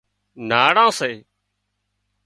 ناڙان سي